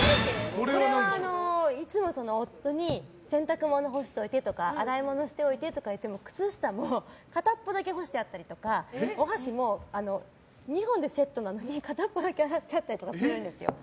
いつも、夫に洗濯物を干しておいてとか洗い物しておいてとか言ったら靴下も片方だけ干してあったりとかお箸も２本でセットなのに片方だけ洗ってあったりするんですよ。